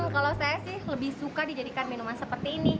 kalau saya sih lebih suka dijadikan minuman seperti ini